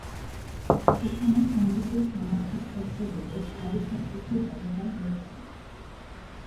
সেখানে সঙ্গীতের সমার্থক শব্দ রূপে ‘সারি’ শব্দটির ব্যবহার হয়েছে।